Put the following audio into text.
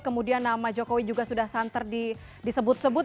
kemudian nama jokowi juga sudah santer disebut sebut